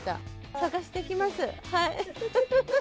探してきます。